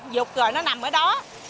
dục rồi nó nằm ở đó